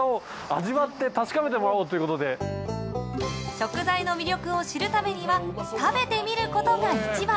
食材の魅力を知るためには食べてみることが一番。